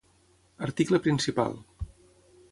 Article principal.